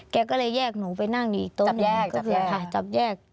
แกก็เลยแยกหนูไปนั่งอยู่อีกโต๊ะหนึ่งค่ะจับแยก